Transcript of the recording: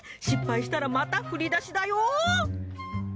失敗したらまた振り出しだよ。